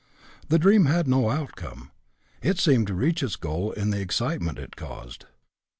The dream had no outcome; it seemed to reach its goal in the excitement it caused.